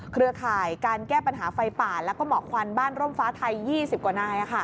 เครือข่ายการแก้ปัญหาไฟป่าแล้วก็หมอกควันบ้านร่มฟ้าไทย๒๐กว่านาย